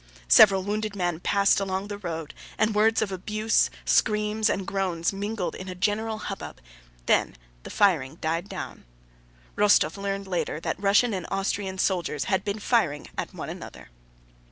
Several wounded men passed along the road, and words of abuse, screams, and groans mingled in a general hubbub, then the firing died down. Rostóv learned later that Russian and Austrian soldiers had been firing at one another.